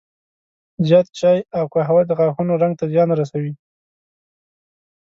زیات چای او قهوه د غاښونو رنګ ته زیان رسوي.